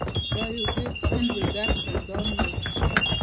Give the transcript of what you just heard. دا یو ډیر ستونزو ډک زندان و.